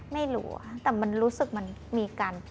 ไม่รู้ค่ะแต่มันรู้สึกมันมีการ